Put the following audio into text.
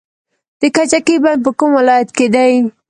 د کجکي بند په کوم ولایت کې دی؟